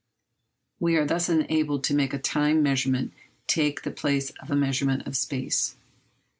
We are thus enabled to make a time measurement take the place of a measurement of space.